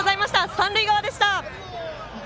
三塁側でした。